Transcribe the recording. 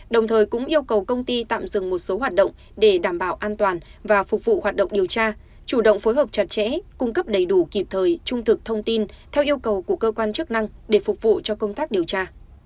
đồng thời cũng yêu cầu công ty tạm dừng một số hoạt động để đảm bảo an toàn và phục vụ hoạt động điều tra chủ động phối hợp chặt chẽ cung cấp đầy đủ kịp thời trung thực thông tin theo yêu cầu của cơ quan chức năng để phục vụ cho công tác điều tra